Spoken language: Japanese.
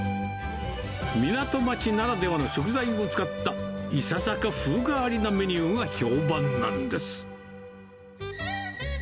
港町ならではの食材を使ったいささか風変わりなメニューが評判なんです。